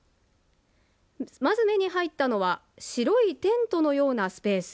まず目に入ったのは白いテントのようなスペース。